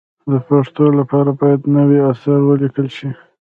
د پښتو لپاره باید نوي اثار ولیکل شي.